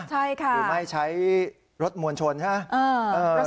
ไม่ใช้รถมวลชนใช่ไหม